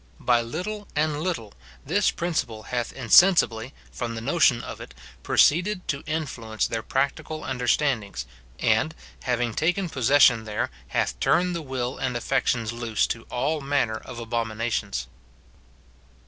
By little and little this prin ciple hath insensibly, from the notion of it, proceeded to influence their practical understandings, and, having taken possession there, hath turned the will and affec tions loose to all manner of abominations.